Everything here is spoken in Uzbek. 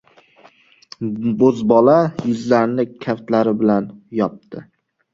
Bo‘zbola yuzlarini kaftlari bilan yopdi.